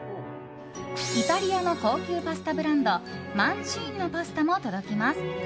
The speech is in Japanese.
イタリアの高級パスタブランドマンチーニのパスタも届きます。